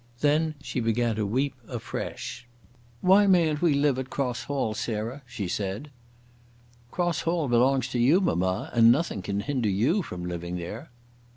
Then she began to weep afresh. "Why mayn't we live at Cross Hall, Sarah?" she said. "Cross Hall belongs to you, mamma, and nothing can hinder you from living there."